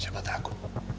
siapa tahu aku